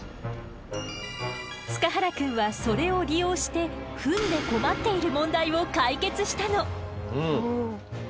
塚原くんはそれを利用して糞で困っている問題を解決したの。